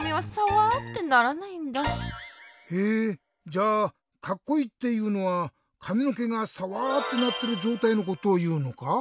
じゃあカッコイイっていうのはかみのけがサワってなってるじょうたいのことをいうのか？